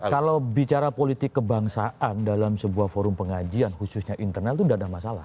kalau bicara politik kebangsaan dalam sebuah forum pengajian khususnya internal itu tidak ada masalah